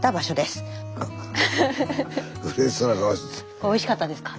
これおいしかったですか？